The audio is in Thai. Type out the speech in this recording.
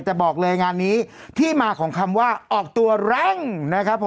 แต่บอกเลยงานนี้ที่มาของคำว่าออกตัวแรงนะครับผม